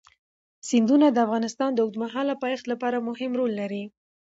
سیندونه د افغانستان د اوږدمهاله پایښت لپاره مهم رول لري.